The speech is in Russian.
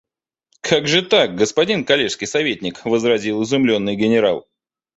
– Как же так, господин коллежский советник? – возразил изумленный генерал.